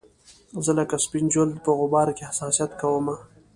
زه لکه سپین جلد په غبار کې حساسیت کومه